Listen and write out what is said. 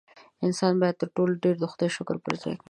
انسان باید تر ټولو ډېر د خدای شکر په ځای کړي.